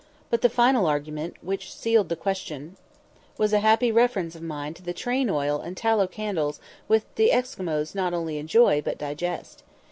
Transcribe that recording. But the final argument, which settled the question, was a happy reference of mine to the train oil and tallow candles which the Esquimaux not only enjoy but digest.